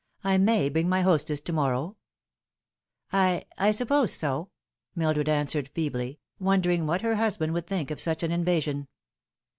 "I may bring my hostess to morrow ?" "I I suppose so," Mildred answered feebly, wondering what her husband would think of such an invasion.